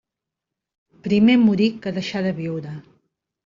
Primer morir que deixar de viure.